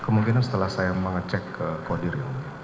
mungkin setelah saya mengecek kodir